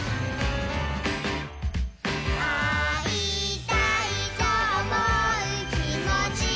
「あいたいとおもうきもちがあれば」